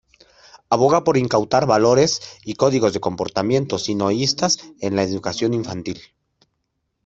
Aboga por inculcar valores y códigos de comportamiento sionistas en la educación infantil.